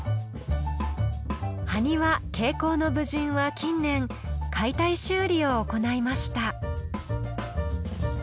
「埴輪挂甲の武人」は近年解体修理を行いました。